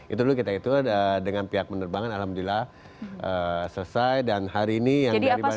itu dulu kita itu dengan pihak penerbangan alhamdulillah selesai dan hari ini yang dari bandung